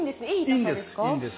いいんです。